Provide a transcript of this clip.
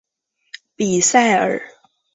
比塞尔。